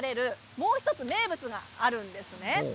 もう１つ、名物があるんです。